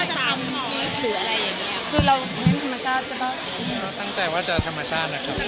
แต่ไม่ต้องมาว่าจะเป็นพี่หรืออะไรแบบนี้